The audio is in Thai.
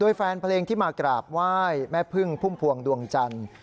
โดยแฟนเพลงที่มากราบไหว้แม่พึ่งพุ่มพวงดวงจันทร์